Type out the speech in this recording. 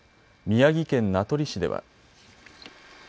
宮城県名取市では。